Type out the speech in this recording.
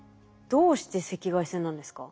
どうして赤外線なんですか？